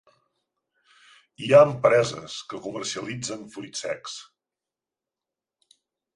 Hi ha empreses que comercialitzen fruits secs.